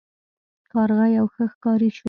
کارغه یو ښه ښکاري شو.